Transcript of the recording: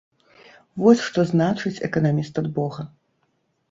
Вось што значыць эканаміст ад бога!